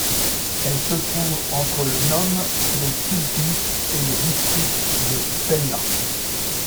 Elle se trouve entre le nome de Kilkís et le district de Pella.